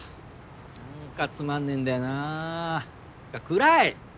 何かつまんねえんだよなってか暗い！